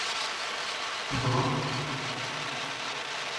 Comment ça va ?